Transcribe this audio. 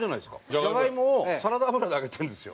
じゃがいもをサラダ油で揚げてるんですよ。